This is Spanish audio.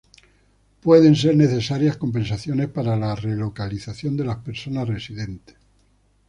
Pueden ser necesarias compensaciones para la relocalización de las personas residentes.